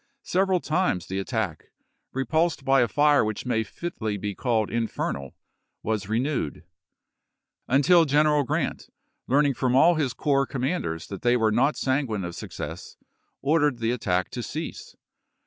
Several times the attack, repulsed by a fij'e which may fitly be called infernal, was renewed ; until Greneral Grant, learning from all his corps commanders that they were not sanguine of success, ordered the attack to cease.